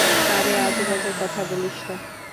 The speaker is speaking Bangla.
আরে আজেবাজে কথা বলিস না!